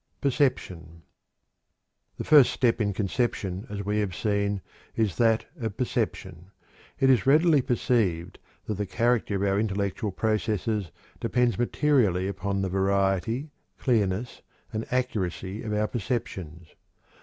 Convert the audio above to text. PERCEPTION. The first step in conception, as we have seen, is that of perception. It is readily perceived that the character of our intellectual processes depends materially upon the variety, clearness, and accuracy of our perceptions.